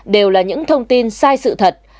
đều là những thông tin sai sự thật